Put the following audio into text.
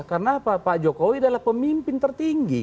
karena pak jokowi adalah pemimpin tertinggi